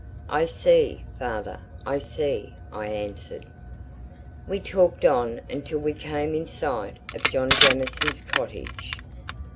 "I see, father, I see," I answered. We talked on until we came in sight of John Jamieson's cottage.